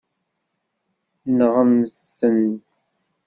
Nɣemt-ten.